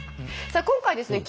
さあ今回ですね